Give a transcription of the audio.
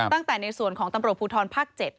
ตั้งแต่ในส่วนของตำรวจภูทธรรมภาค๗